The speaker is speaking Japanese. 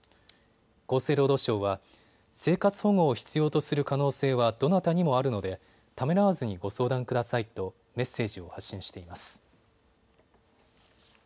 厚生労働省は、生活保護を必要とする可能性はどなたにもあるのでためらわずにご相談くださいとメッセージを発信しています。